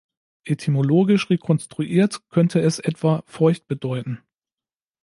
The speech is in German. Etymologisch rekonstruiert könnte es etwa „feucht“ bedeuten.